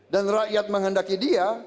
dan rakyat menghendaki dia